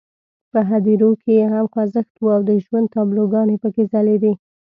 په هدیرو کې یې هم خوځښت وو او د ژوند تابلوګانې پکې ځلېدې.